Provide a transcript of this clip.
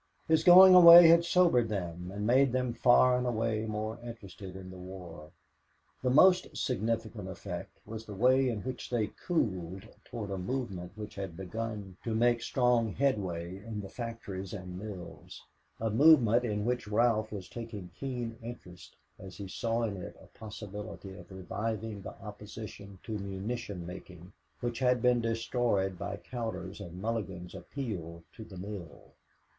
His going away had sobered them and made them far and away more interested in the war. The most significant effect was the way in which they cooled toward a movement which had begun to make strong headway in the factories and mills, a movement in which Ralph was taking keen interest as he saw in it a possibility of reviving the opposition to munition making which had been destroyed by Cowder's and Mulligan's appeal to the mill.